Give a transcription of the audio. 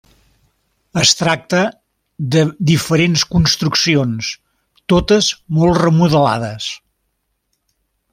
Es tracta de diferents construccions, totes molt remodelades.